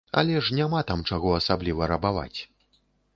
Але ж няма там чаго асабліва рабаваць.